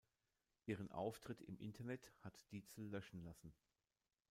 Ihren Auftritt im Internet hat Diezel löschen lassen.